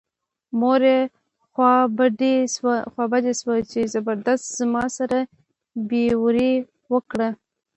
مور یې خوا بډۍ شوه چې زبردست زما سره بې وري وکړه.